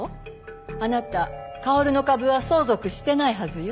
あなた薫の株は相続してないはずよ。